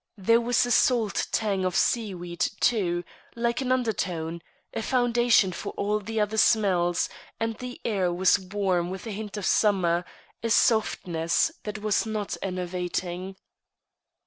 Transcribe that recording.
There was a salt tang of seaweed, too, like an undertone, a foundation for all the other smells; and the air was warm with a hint of summer, a softness that was not enervating.